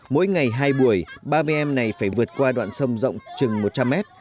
mỗi ngày hai buổi ba mươi em này phải vượt qua đoạn sông rộng chừng một trăm linh mét